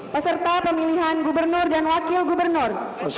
peserta pemilihan gubernur dan wakil gubernur